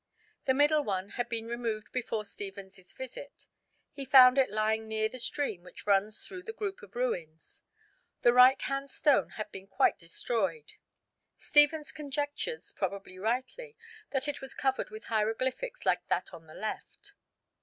The middle one had been removed before Stephens's visit. He found it lying near the stream which runs through the group of ruins. The right hand stone had been quite destroyed. Stephens conjectures, probably rightly, that it was covered with hieroglyphics like that on the left.